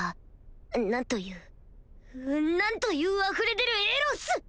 何という何というあふれ出るエロス！